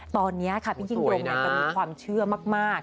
ตอนนี้ค่ะพี่ยิ่งยงจะมีความเชื่อมาก